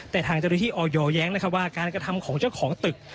แต่ทางเจ้าหน้าที่ออยแย้งนะครับว่าการกระทำของเจ้าของตึก